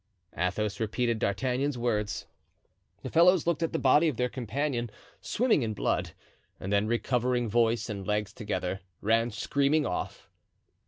Athos repeated D'Artagnan's words. The fellows looked at the body of their companion, swimming in blood, and then recovering voice and legs together, ran screaming off.